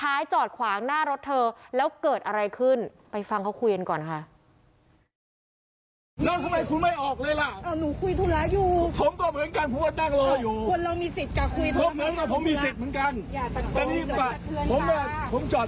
ไม่ถามแล้วถ้าตรงนี้คือไม่มีที่จอด